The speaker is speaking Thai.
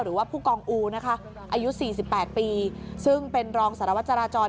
หรือว่าผู้กองอูนะคะอายุสี่สิบแปดปีซึ่งเป็นรองสารวจราจร